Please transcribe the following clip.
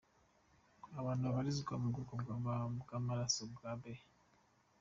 Abantu babarizwa mu bwoko bw’amaraso bwa B .